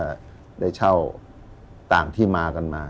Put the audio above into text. ได้เช่าต่างที่มากันมา